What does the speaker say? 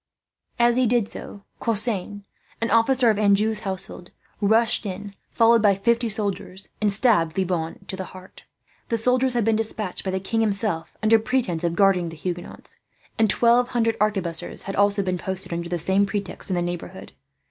As he did so, Cosseins, an officer of Anjou's household rushed in, followed by fifty soldiers, and stabbed Le Bonne to the heart. The soldiers had been despatched by the king, himself, under pretence of guarding the Huguenots; and twelve hundred arquebusiers had also been posted, under the same pretext, in the neighbourhood.